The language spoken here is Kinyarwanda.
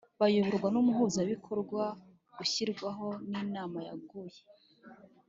bayoborwa nUmuhuzabikorwa ushyirwaho nInama yaguye